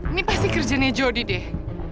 ini pasti kerjanya jody deh